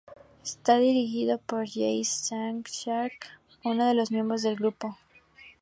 Es dirigida por Jay Chandrasekhar, uno de los miembros del grupo.